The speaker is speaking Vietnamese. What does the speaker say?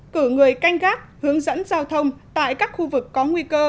cử người canh gác hướng dẫn giao thông tại các khu vực có nguy cơ